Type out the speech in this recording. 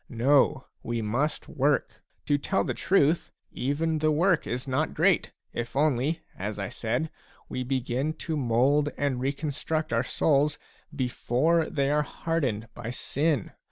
No, we must work. To tell the truth, even the work is not great, if only, as I said, we begin to mould and reconstruct our souls before they are hardened by sin.